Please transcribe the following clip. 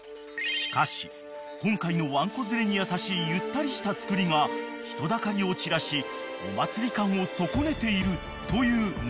［しかし今回のワンコ連れに優しいゆったりした造りが人だかりを散らしお祭り感を損ねているという難題］